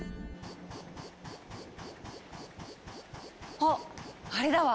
あっあれだわ！